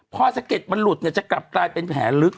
พอสะเก็ดมันหลุดจะกลับเป็นแผลลึก